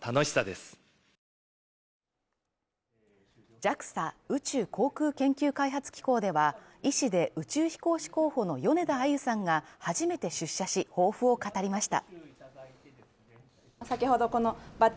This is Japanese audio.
ＪＡＸＡ宇宙航空研究開発機構では医師で宇宙飛行士候補の米田あゆさんが初めて出社し、抱負を語りました。